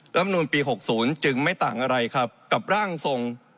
ำนูลปี๖๐จึงไม่ต่างอะไรครับกับร่างทรง